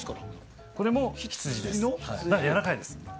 これも羊なのでやわらかいです。